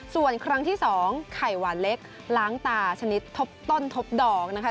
ส่วนครั้งที่๒ไข่หวานเล็กล้างตาชนิดทบต้นทบดอกนะคะ